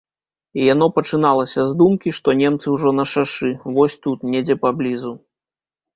Яно пачыналася з думкі, што немцы ўжо на шашы, вось тут, недзе поблізу.